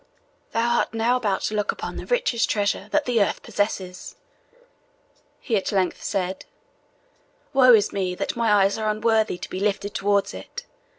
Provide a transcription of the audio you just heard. "Thou art now about to look upon the richest treasure that the earth possesses," he at length said; "woe is me, that my eyes are unworthy to be lifted towards it!